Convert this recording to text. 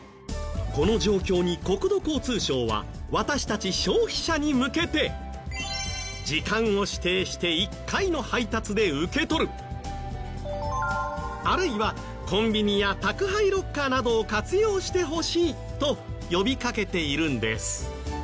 この状況に国土交通省は私たち消費者に向けて時間を指定して１回の配達で受け取るあるいはコンビニや宅配ロッカーなどを活用してほしいと呼びかけているんです。